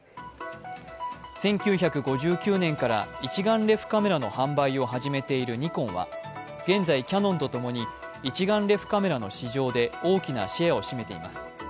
１９５９年から一眼レフカメラの販売を始めているニコンは現在、キヤノンと共に一眼レフカメラの市場で大きなシェアを占めています。